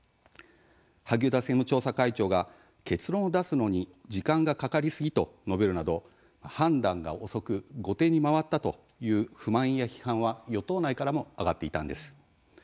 萩生田政務調会長が結論を出すのに時間がかかりすぎと述べるなど、判断が遅く後手に回ったという不満や批判は与党内からも上がっていたんです。